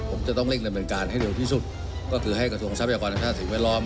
ผมจะต้องเร่งดำเนินการให้เร็วที่สุดก็คือให้กระทรวงทรัพยากรธรรมชาติสิ่งแวดล้อม